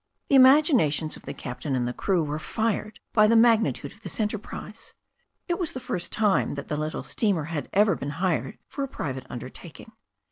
The imaginations of the captain and the crew were fired by the magnitude of this enterprise. It was the first time the little steamer had ever been hired for a private undertaking.